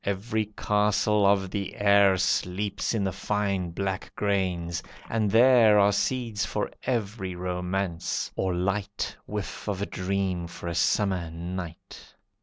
Every castle of the air Sleeps in the fine black grains, and there Are seeds for every romance, or light Whiff of a dream for a summer night.